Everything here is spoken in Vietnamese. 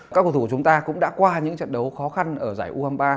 các cầu thủ của chúng ta cũng đã qua những trận đấu khó khăn ở giải u hai mươi ba